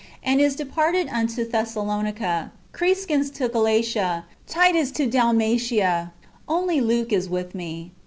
. and is departed unto Thessa lonica ; Crescens to Galatia, Titus to Dalmatia. Only Luke is with me."